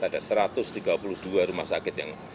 ada satu ratus tiga puluh dua rumah sakit yang